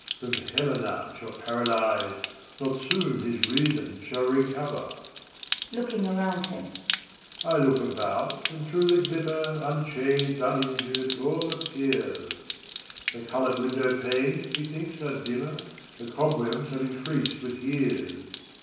Whom Helena shall paralyze Not soon his reason will recover. {Looking around him.) ACT II. 67 I look abonty and through the glimmer Unchanged, uninjured, all appears: The colored window panes, methinks, are dimmer, The cobwebs have increased with years.